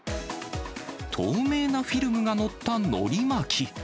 透明なフィルムが載ったのり巻。